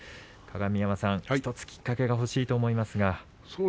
鏡山さん、１つきっかけを欲しいと思いますが。